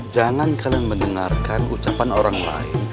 jangan kalian mendengarkan ucapan orang lain